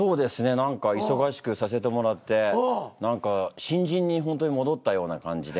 何か忙しくさせてもらって何か新人にほんとに戻ったような感じで。